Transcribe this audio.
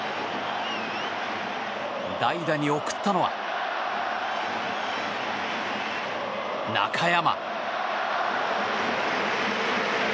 代打に送ったのは、中山。